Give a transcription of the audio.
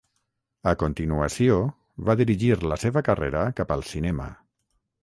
A continuació va dirigir la seva carrera cap al cinema.